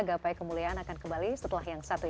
gapai kemuliaan akan kembali setelah yang satu ini